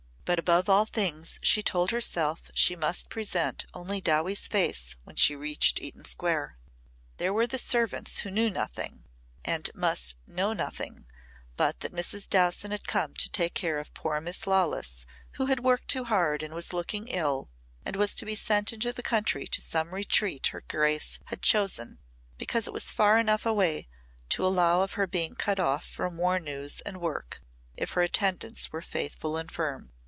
But above all things she told herself she must present only Dowie's face when she reached Eaton Square. There were the servants who knew nothing and must know nothing but that Mrs. Dowson had come to take care of poor Miss Lawless who had worked too hard and was looking ill and was to be sent into the country to some retreat her grace had chosen because it was far enough away to allow of her being cut off from war news and work, if her attendants were faithful and firm.